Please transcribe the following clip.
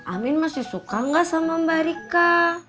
amin masih suka nggak sama mbak rika